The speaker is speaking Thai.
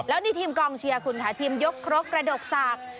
แล้วนี่ทีมกองเชียร์คุณค่ะทีมยกครกกระดกสาก